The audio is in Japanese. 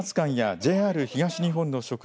ＪＲ東日本の職員